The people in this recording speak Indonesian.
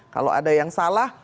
kalau ada yang salah